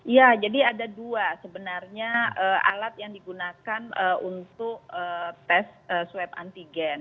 ya jadi ada dua sebenarnya alat yang digunakan untuk tes swab antigen